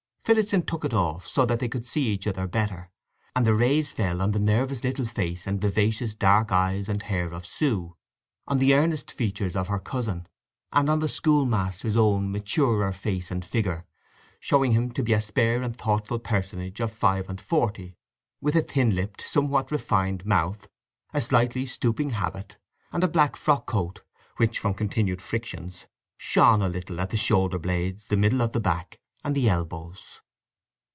Phillotson took it off, so that they could see each other better, and the rays fell on the nervous little face and vivacious dark eyes and hair of Sue, on the earnest features of her cousin, and on the schoolmaster's own maturer face and figure, showing him to be a spare and thoughtful personage of five and forty, with a thin lipped, somewhat refined mouth, a slightly stooping habit, and a black frock coat, which from continued frictions shone a little at the shoulder blades, the middle of the back, and the elbows.